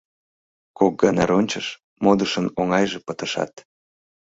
Кок гына рончыш, модышын оҥайже пытышат.